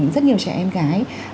rất nhiều trẻ em gái